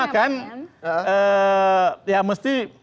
cuma kan ya mesti